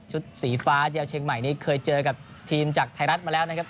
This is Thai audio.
สีฟ้าเดียวเชียงใหม่นี้เคยเจอกับทีมจากไทยรัฐมาแล้วนะครับ